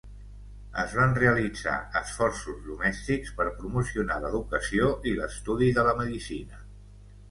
Es van realitzar esforços domèstics per promocionar l'educació i l'estudi de la medicina.